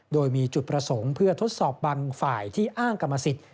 โดยมีจุดประสงค์เพื่อทดสอบบางฝ่ายที่อ้างกรรมสิทธิ์